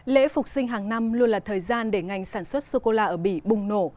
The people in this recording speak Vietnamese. lễ phục sinh hàng năm luôn là thời gian để ngành sản xuất sô cô la ở bỉ bùng nổ